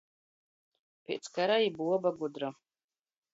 Piec kara i buoba gudra.